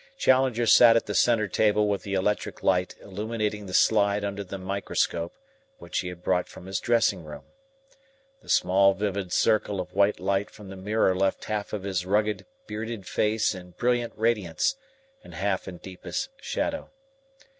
Challenger sat at the centre table with the electric light illuminating the slide under the microscope which he had brought from his dressing room. The small vivid circle of white light from the mirror left half of his rugged, bearded face in brilliant radiance and half in deepest shadow.